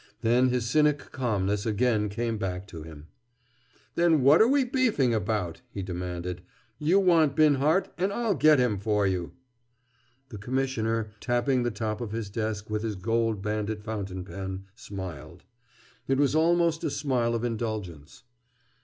Then his cynic calmness again came back to him. "Then what're we beefing about?" he demanded. "You want Binhart and I'll get him for you." The Commissioner, tapping the top of his desk with his gold banded fountain pen, smiled. It was almost a smile of indulgence.